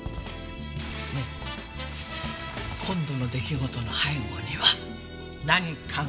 ねえ今度の出来事の背後には何かがある。